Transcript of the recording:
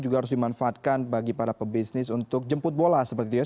juga harus dimanfaatkan bagi para pebisnis untuk jemput bola seperti itu ya